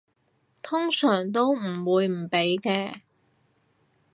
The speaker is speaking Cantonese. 通常都唔會唔俾嘅